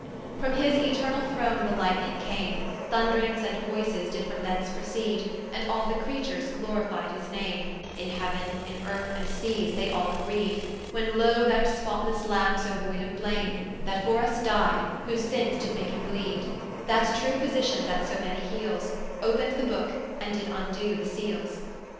From his eternall throne the lightning came, Thundrings and Voyces did from thence proceede; And all the creatures glorifi'd his name, In heauen, in earth, and seas, they all agreed, When loe that spotlesse Lambe so voyd of blame, That for vs di'd, whose sinnes did make him bleed: That true Physition that so many heales, Opened the Booke, and did vndoe the Seales.